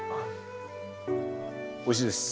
おいしいです。